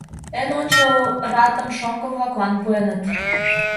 Эн ончыл ратым шоҥго-влаклан пуэныт.